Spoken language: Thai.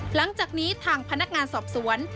หลังจากนี้ทางพนักงานสอบสวน